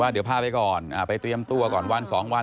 ว่าผ้าไปก่อนไปเตรียมตัวสองวัน